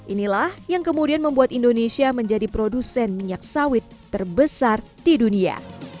inilah yang kemudian membuat indonesia menjadi produsen minyak sawit terbesar di dunia